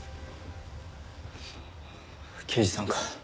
刑事さんか。